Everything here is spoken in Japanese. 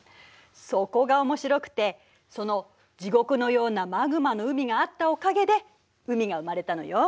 そこが面白くてその地獄のようなマグマの海があったおかげで海が生まれたのよ。